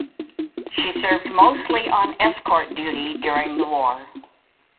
She served mostly on escort duty during the war.